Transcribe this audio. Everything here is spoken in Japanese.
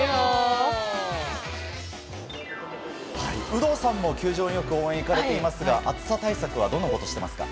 有働さんも球場によく応援に行かれていますが暑さ対策はどんなことをしていますか？